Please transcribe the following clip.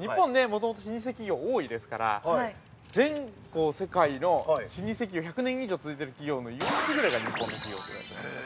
日本ね、もともと老舗企業、多いですから全世界の老舗企業１００年以上続いてる企業の４割くらいが日本の企業といわれてますからね。